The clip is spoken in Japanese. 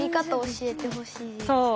そう。